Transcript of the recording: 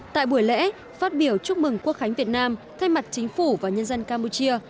tại buổi lễ phát biểu chúc mừng quốc khánh việt nam thay mặt chính phủ và nhân dân campuchia